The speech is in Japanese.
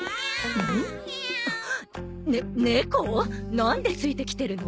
なんでついてきてるの？